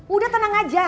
udah tenang aja